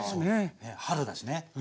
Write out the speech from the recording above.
春だしね。